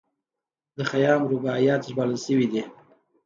د خیام رباعیات ژباړل شوي دي.